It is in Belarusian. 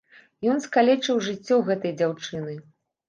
Ён скалечыў жыццё гэтай дзяўчыны.